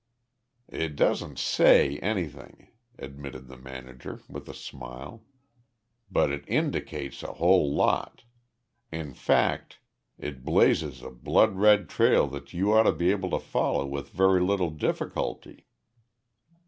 "It doesn't say anything," admitted the manager, with a smile. "But it indicates a whole lot. In fact, it blazes a blood red trail that you ought to be able to follow with very little difficulty.